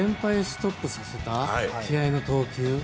ストップさせた気合の投球。